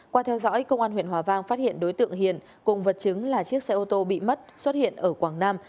qua theo dõi công an huyện hòa vang phát hiện đối tượng hiền cùng vật chứng là chiếc xe ô tô bị mất xuất hiện ở quảng nam